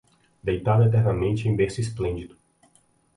Deitado eternamente em berço esplêndido